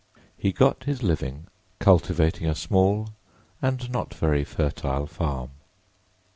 He got his living cultivating a small and not very fertile farm.